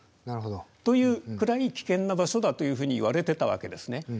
なるほど。というくらい危険な場所だというふうにいわれてたわけですね。